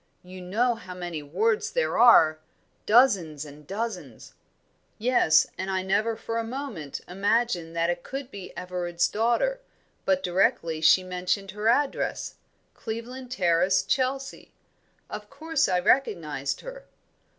"You know how many Wards there are dozens and dozens." "Yes, and I never for a moment imagined that it could be Everard's daughter; but directly she mentioned her address Cleveland Terrace, Chelsea of course I recognised her.